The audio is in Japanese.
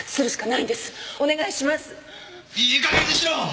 いい加減にしろ！